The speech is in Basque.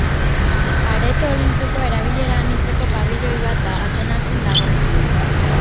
Areto Olinpikoa erabilera-anitzeko pabiloi bat da, Atenasen dagoena.